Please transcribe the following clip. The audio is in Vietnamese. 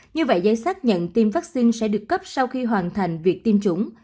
như vậy giấy xác nhận tiêm vaccine sẽ được cấp sau khi hoàn thành việc tiêm chủng